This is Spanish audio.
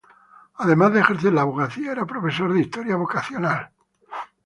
Además de ejercer la abogacía, era profesor de Historia vocacional.